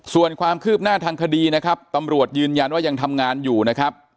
ส่วนความคืบหน้าทางคดีนะครับตำรวจยืนยันว่ายังทำงานอยู่นะครับ